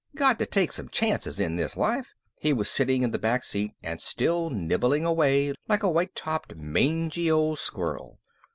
"Got to take some chances in this life." He was sitting in the back seat and still nibbling away like a white topped mangy old squirrel.